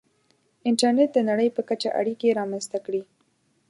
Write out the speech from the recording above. • انټرنېټ د نړۍ په کچه اړیکې رامنځته کړې.